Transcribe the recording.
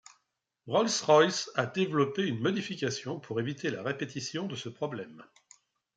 Rolls-Royce a développé une modification pour éviter la répétition de ce problème.